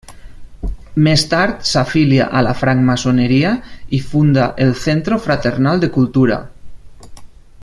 Més tard s'afilia a la francmaçoneria i funda el Centro Fraternal de Cultura.